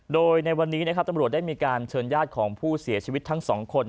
โดยในวันนี้นะครับตำรวจได้มีการเชิญญาติของผู้เสียชีวิตทั้งสองคน